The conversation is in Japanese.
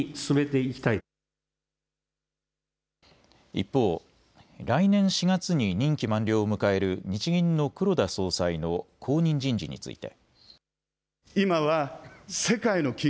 一方、来年４月に任期満了を迎える日銀の黒田総裁の後任人事について。